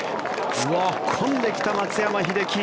突っ込んできた松山英樹。